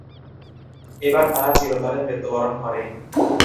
এবার তারা চিরতরে মৃত্যুবরণ করে।